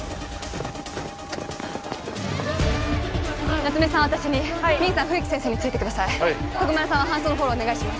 夏梅さんは私にミンさんは冬木先生についてください徳丸さんは搬送のフォローをお願いします